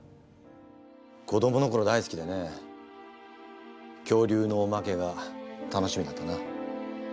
子どもの頃大好きでね恐竜のおまけが楽しみだったな。